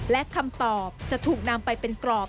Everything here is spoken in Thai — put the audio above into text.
และคำตอบจะถูกนำไปเป็นกรอบ